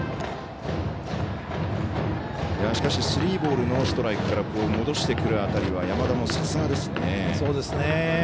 しかし、スリーボールノーストライクから戻してくる辺りは山田もさすがですね。